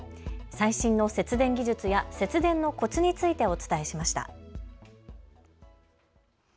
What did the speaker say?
最新の節電技術や節電のコツについてお伝えしました。